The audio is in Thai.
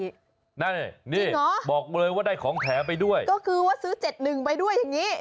นั่นนี่บอกเลยว่าได้ของแถมไปด้วยก็คือว่าซื้อ๗๑ไปด้วยอย่างนี้